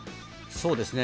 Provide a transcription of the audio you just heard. そうですね。